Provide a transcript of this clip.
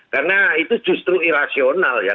karena itu justru irasional ya